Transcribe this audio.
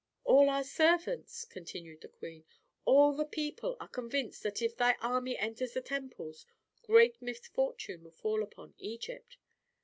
"All our servants," continued the queen, "all the people are convinced that if thy army enters the temples, great misfortune will fall upon Egypt."